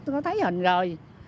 tôi có thấy hình rồi